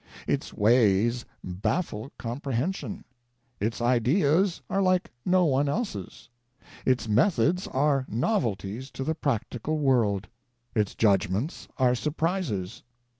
Its ways baffle comprehen sion ; its ideas are like no one else's ; its methods are novelties to the practical world; its judgments are surprises.